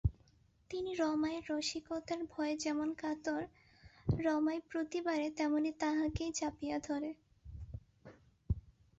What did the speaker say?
তিনি রমাইয়ের রসিকতার ভয়ে যেমন কাতর, রমাই প্রতিবারে তেমনি তাঁহাকেই চাপিয়া ধরে।